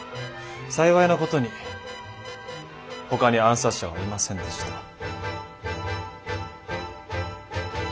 幸いなことにほかに暗殺者はいませんでした。